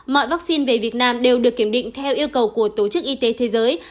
mọi vaccine về việt nam đều được kiểm định theo yêu cầu của tổ chức y tế thế giới